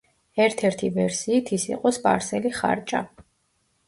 ერთ-ერთი ვერსიით ის იყო სპარსელი ხარჭა.